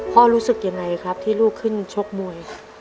รู้สึกยังไงครับที่ลูกขึ้นชกมวย